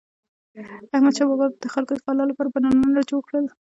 احمدشاه بابا به د خلکو د فلاح لپاره پلانونه جوړول.